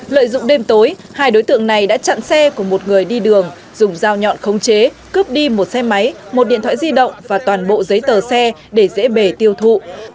lợi dụng đêm tối hai đối tượng này đã chặn xe của một người đi đường dùng dao nhọn khống chế cướp đi một xe máy một điện thoại di động và toàn bộ giấy tờ xe để dễ bể tiêu thụ